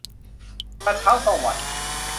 กระเช้าสวรรค์